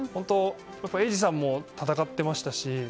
永嗣さんも戦っていましたし